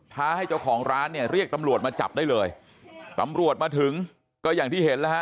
้าให้เจ้าของร้านเนี่ยเรียกตำรวจมาจับได้เลยตำรวจมาถึงก็อย่างที่เห็นแล้วฮะ